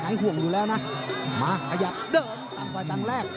หายห่วงอยู่แล้วนะมาขยับเดิมก่อนไปกว่าตั้งแลก